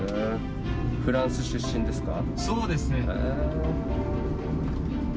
フランス出身ですか？